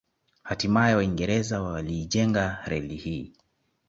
Hatimae Waingereza waliijenga reli hii